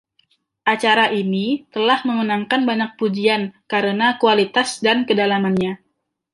Acara ini telah memenangkan banyak pujian karena kualitas dan kedalamannya.